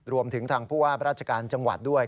รวมถึงทางผู้ว่าราชการจังหวัดด้วย